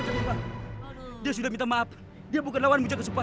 sudah sudah sudah dia sudah minta maaf dia bukan lawan untuk jaga supa